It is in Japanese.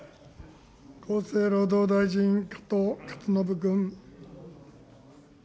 厚生労働大臣、加藤勝信君。